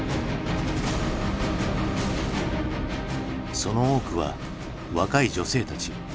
その多くは若い女性たち。